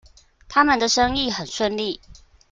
他們的生意很順利